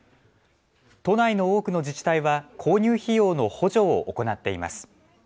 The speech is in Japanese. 都内の多くの自治体は購入費用の補助を行っています。